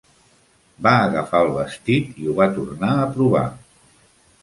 Va agafar el vestit i ho va tornar a provar.